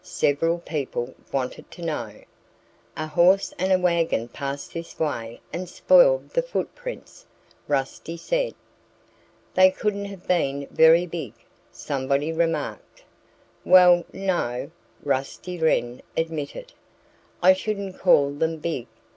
several people wanted to know. "A horse and wagon passed this way and spoiled the footprints," Rusty said. "They couldn't have been very big," somebody remarked. "Well no!" Rusty Wren admitted. "I shouldn't call them big.